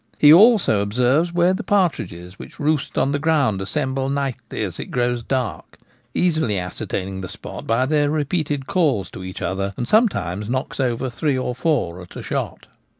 He also observes where the partridges which roost on the ground assemble nightly as it grows dark, easily ascertain ing the spot by their repeated calls to each other, and sometimes knocks over three or four at a shot.